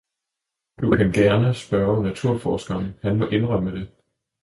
du kan gerne spørge naturforskeren, han må indrømme det.